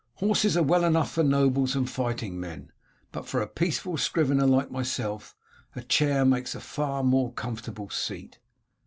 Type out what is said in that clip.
Horses are well enough for nobles and fighting men, but for a peaceful scrivener like myself a chair makes a far more comfortable seat."